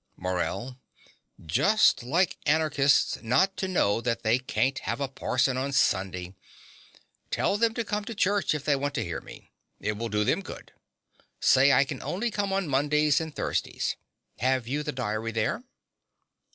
MORELL. Just like Anarchists not to know that they can't have a parson on Sunday! Tell them to come to church if they want to hear me: it will do them good. Say I can only come on Mondays and Thursdays. Have you the diary there?